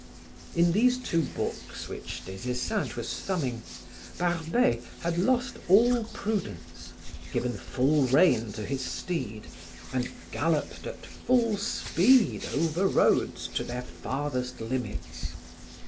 In these two books which Des Esseintes was thumbing, Barbey had lost all prudence, given full rein to his steed, and galloped at full speed over roads to their farthest limits.